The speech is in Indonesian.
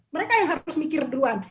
mereka yang harus mikir duluan